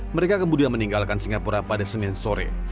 mereka kemudian meninggalkan singapura pada senin sore